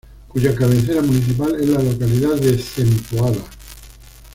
Cuya cabecera municipal es la localidad de Zempoala.